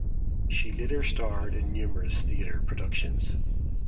She later starred in numerous theatre productions.